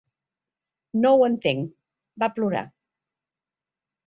"No ho entenc", va plorar.